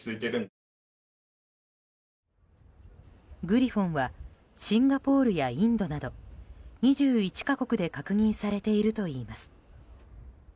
グリフォンはシンガポールやインドなど２１か国で確認されているといいます。